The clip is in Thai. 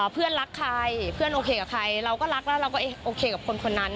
รักใครเพื่อนโอเคกับใครเราก็รักแล้วเราก็โอเคกับคนนั้น